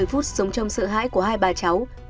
một mươi phút sống trong sự hãi của hai bà cháu nhà hàng xóm